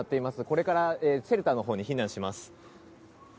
これからシェルターのほうに避難します。